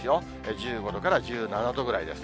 １５度から１７度くらいです。